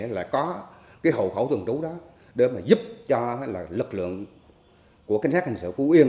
là có cái hậu khẩu tuần trú đó để mà giúp cho lực lượng của công an tỉnh phú yên